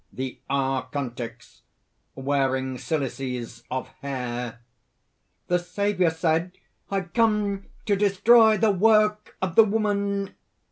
THE ARCHONTICS (wearing cilices of hair): "The Saviour said: 'I come to destroy the work of the Woman!'"